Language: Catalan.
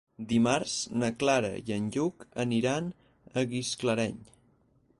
Dimarts na Clara i en Lluc aniran a Gisclareny.